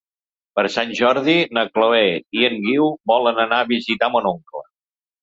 Per Sant Jordi na Chloé i en Guiu volen anar a visitar mon oncle.